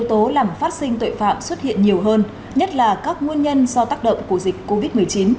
tố làm phát sinh tội phạm xuất hiện nhiều hơn nhất là các nguyên nhân do tác động của dịch covid một mươi chín